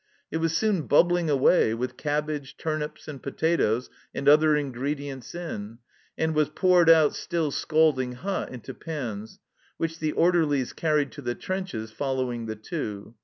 It was soon bubbling away, with cabbage, turnips, and potatoes and other ingredients in, and was poured out still scalding hot into pans, which the orderlies carried to the trenches, following the Two.